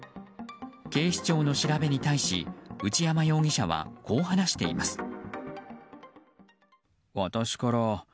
警視庁の調べに対し内山容疑者はこう話しています。